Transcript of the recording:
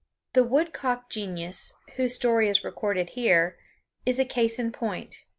The woodcock genius, whose story is recorded here, is a case in point.